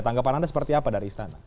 tanggapan anda seperti apa dari istana